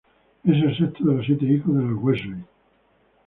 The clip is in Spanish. Es el sexto de los siete hijos de los Weasley.